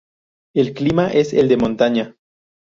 El clima es el de montaña.